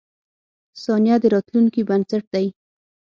• ثانیه د راتلونکې بنسټ دی.